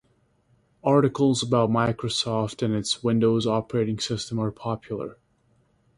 Articles about Microsoft and its Windows Operating System are popular.